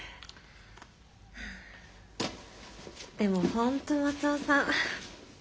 でも本当松尾さん